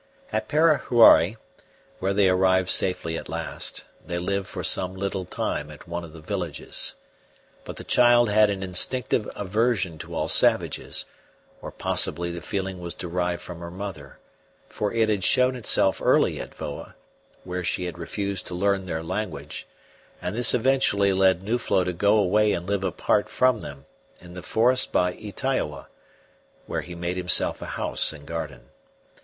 At Parahuari, where they arrived safely at last, they lived for some little time at one of the villages. But the child had an instinctive aversion to all savages, or possibly the feeling was derived from her mother, for it had shown itself early at Voa, where she had refused to learn their language; and this eventually led Nuflo to go away and live apart from them, in the forest by Ytaioa, where he made himself a house and garden.